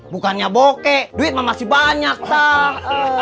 bukannya bokeh duit mah masih banyak tak